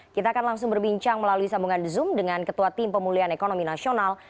kita akan langsung berbincang melalui sambungan zoom dengan ketua tim pemulihan ekonomi nasional